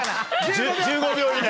１５秒以内。